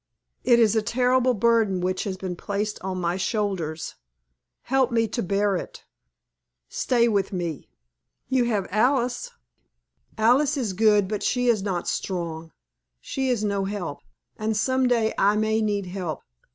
It is a terrible burden which has been placed on my shoulders. Help me to bear it. Stay with me." "You have Alice " "Alice is good, but she is not strong. She is no help and some day I may need help."